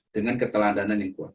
dengan keteladanan yang kuat